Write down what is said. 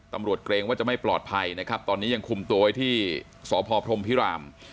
เกรงว่าจะไม่ปลอดภัยนะครับตอนนี้ยังคุมตัวไว้ที่สพพรมพิราม